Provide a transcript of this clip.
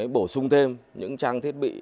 bổ sung thêm những trang thiết bị